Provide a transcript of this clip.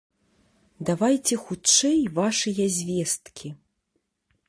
Давайце хутчэй вашыя звесткі.